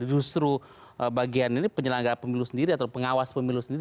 justru bagian ini penyelenggara pemilu sendiri atau pengawas pemilu sendiri